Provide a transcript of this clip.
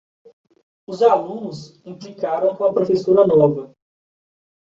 Os alunos implicaram com a professora nova.